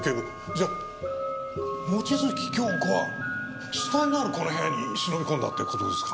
じゃあ望月京子は死体のあるこの部屋に忍び込んだって事ですか？